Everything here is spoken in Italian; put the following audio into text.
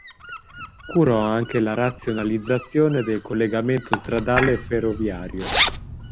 Curò anche la razionalizzazione del collegamento stradale e ferroviario.